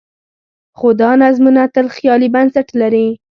خو دا نظمونه تل خیالي بنسټ لري.